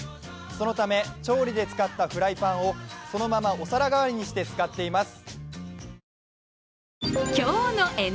そのため調理で使ったフライパンをそのままお皿がわりにしています